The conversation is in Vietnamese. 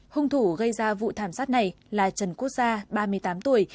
hung thủ gây ra vụ thảm sát này là trần quốc gia ba mươi tám tuổi